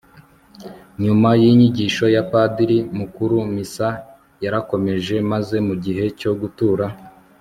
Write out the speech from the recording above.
nyuma y'inyigisho ya padiri mukuru, missa yarakomeje maze mu gihe cyo gutura